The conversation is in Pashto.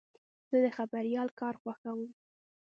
زه د خبریال کار خوښوم.